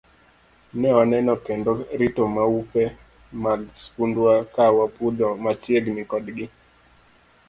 Ne waneno kendo rito maupe mag skundwa ka wapudho machiegni kodgi.